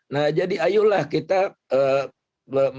nah jadi ayolah kita memulai dari